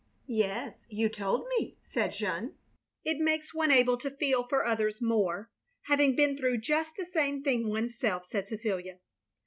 " Yes, you told me, " said Jeanne. "It makes one able to feel for others more, having been through just the same thing oneself, " said Cecilia.